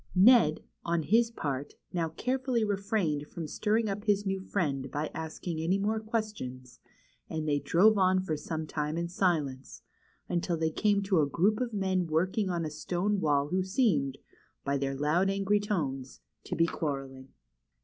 Ned, on his part, now carefully refrained from stirring up his new friend by asking any more questions, and they drove on for some time in silence, until they came to a group of men working on a stone wall who seemed, by their loud, angry tones, to be quarrelling.